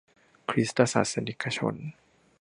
คริสตศาสนิกชน